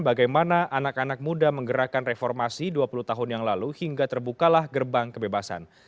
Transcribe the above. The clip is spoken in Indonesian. bagaimana anak anak muda menggerakkan reformasi dua puluh tahun yang lalu hingga terbukalah gerbang kebebasan